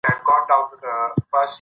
شفاف سیستم د سمې همکارۍ فضا جوړوي.